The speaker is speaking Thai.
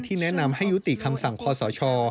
แนะนำให้ยุติคำสั่งคอสช